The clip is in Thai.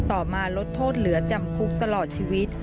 ต่อมาลดโทษเหลือจำคุกตลอดชีวิต